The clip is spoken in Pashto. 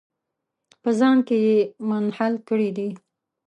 په ځان کې یې منحل کړي دي.